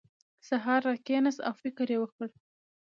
سهار راکېناست او فکر یې وکړ.